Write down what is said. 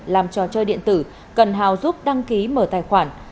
làm trò chơi điện tử cần hào giúp đăng ký mở tài khoản